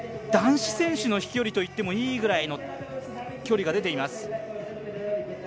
男子選手の飛距離といってもいいぐらいの距離が出ています。